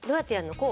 こう？